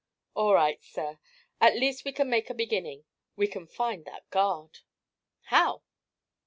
'All right, sir; at least we can make a beginning we can find that guard.' 'How?'